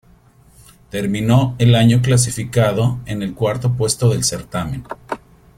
Terminó el año clasificado en el cuarto puesto del certamen.